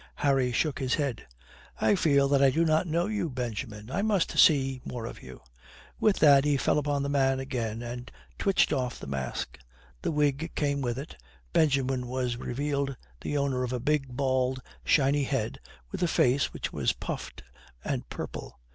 Harry shook his head. "I feel that I do not know you, Benjamin. I must see more of you," With which he fell upon the man again and twitched off the mask. The wig came with it. Benjamin was revealed the owner of a big, bald, shiny head with a face which was puffed and purple.